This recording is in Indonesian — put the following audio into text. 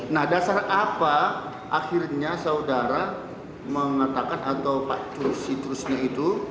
nah dasar apa akhirnya saudara mengatakan atau pak turus turusnya itu